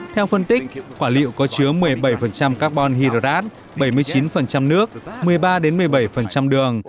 theo phân tích quả liệu có chứa một mươi bảy carbon hydrat bảy mươi chín nước một mươi ba một mươi bảy đường